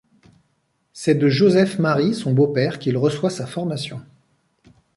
C'est de Joseph Marie, son beau-père, qu'il reçoit sa formation.